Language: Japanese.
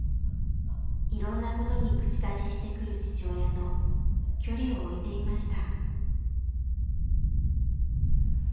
いろんなことに口出ししてくる父親と距離を置いていました。